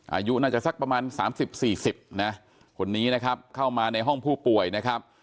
อายุน่าจะสักประมาณ๓๐๔๐นะคนนี้นะครับเข้ามาในห้องผู้ป่วยนะครับ